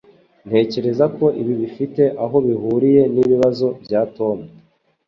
Ntekereza ko ibi bifite aho bihuriye nibibazo bya Tom